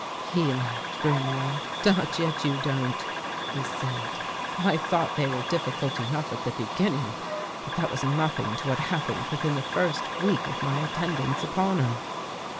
He laughed grimly. " Not yet you don't," he said. " I thought they were difficult enough at the beginning, but that was nothing to what happened within the first week of my attendance upon her."